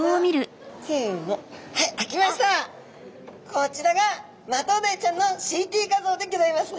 こちらがマトウダイちゃんのＣＴ画像でギョざいますね。